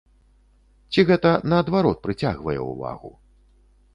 Ці гэта наадварот прыцягвае ўвагу?